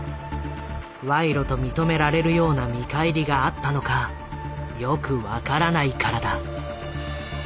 賄賂と認められるような見返りがあったのかよく分からないからだ。